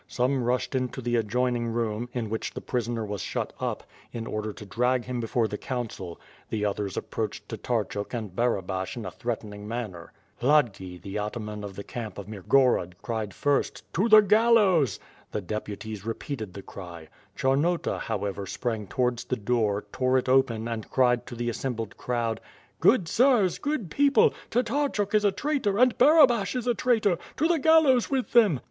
Some rushed into the adjoining room, in which the prisoner was shut up, in order to drag him before the council; the others approached Tatarchuk and Barabash in a threatening manner. Hladki, the ataman of the camp of IMirgorod cried first "To the gallows!" The depu ties repeated the cry. Chamota, however, sprang towards the door, tore it open, and cried to the assembled crowd: "Good sirs, good people, Tatarchuk is a traitor, and Bara bash is a traitor! To the gallows with them!"